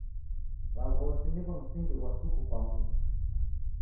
W'aghosi niw'o msingi ghwa suku kwa mzi.